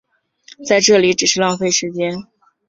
在这里只是浪费时间